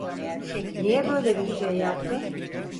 Niye böyle bir şey yaptın?